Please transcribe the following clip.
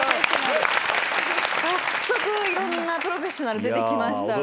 早速いろんなプロフェッショナル出てきましたが。